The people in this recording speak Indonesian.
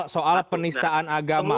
soal penistaan agama